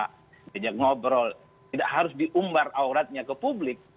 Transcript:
diajak ngobrol tidak harus diumbar auratnya ke publik